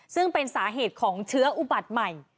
ซึ่งเป็นสาเหตุของเชื้ออุบัติใหม่